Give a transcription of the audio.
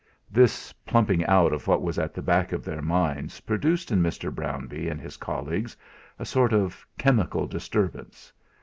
This plumping out of what was at the back of their minds produced in Mr. Brownbee and his colleagues a sort of chemical disturbance.